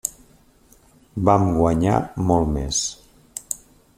Vam guanyar molt més.